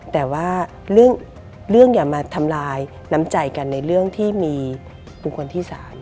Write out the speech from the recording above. แต่ว่าเรื่องอย่ามาทำลายน้ำใจกันในเรื่องที่มีบุคคลที่๓